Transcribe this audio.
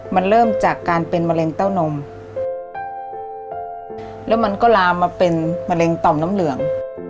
มันเริ่มจากการเป็นมะเร็งเต้านมแล้วมันก็ลามมาเป็นมะเร็งต่อมน้ำเหลือง